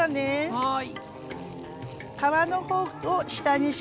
はい。